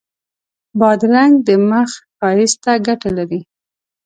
بادرنګ د مخ ښایست ته ګټه لري.